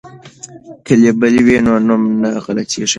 که لیبل وي نو نوم نه غلطیږي.